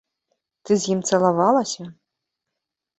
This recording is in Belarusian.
Ты з ім цалавалася?